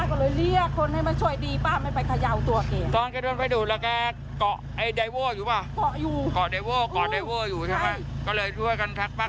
ก็เลยช่วยกันทักฟักออก